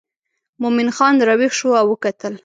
مومن خان راویښ شو او وکتل.